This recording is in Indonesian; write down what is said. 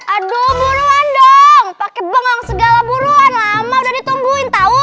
aduh buruan dong pake bengang segala buruan lama udah ditungguin tau